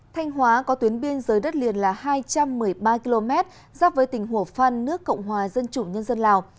thanh hóa có tuyến biên giới đất liền là hai trăm một mươi ba km giáp với tỉnh hồ phan nước cộng hòa dân chủ nhân dân lào